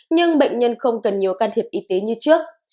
nhưng bệnh nhân không cần nhiều can thiệp y tế như trước